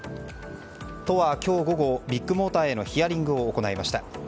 都は今日午後ビッグモーターへのヒアリングを行いました。